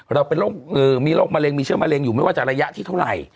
เรามีโรคมะเร็งมีเชื้อมะเร็งอยู่ไม่ว่าจะระยะที่เท่าไหร่